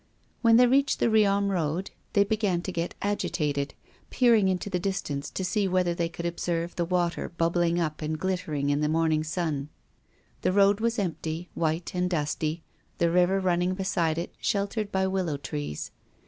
When they reached the Riom road they began to get agitated, peering into the distance to see whether they could observe the water bubbling up and glittering in the morning sun. The road was empty, white, and dusty, the river running beside it sheltered by willow trees.